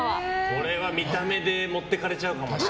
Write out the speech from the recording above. これは見た目で持ってかれちゃうかもな。